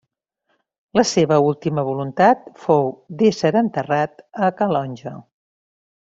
La seva última voluntat fou d'ésser enterrat a Calonge.